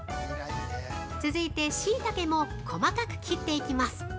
続いて、シイタケも細かく切っていきます。